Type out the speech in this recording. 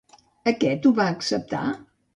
Aquest ho va acceptar?